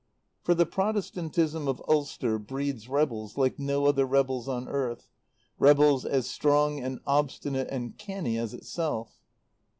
For the Protestantism of Ulster breeds rebels like no other rebels on earth, rebels as strong and obstinate and canny as itself.